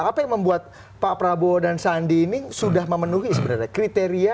apa yang membuat pak prabowo dan sandi ini sudah memenuhi sebenarnya kriteria